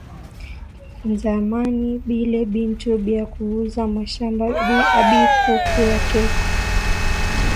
Nzamani bile bintu bya ku uza ma mashamba abiku kuyakeko